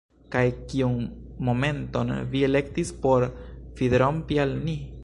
Kaj kiun momenton vi elektis por fidrompi al ni?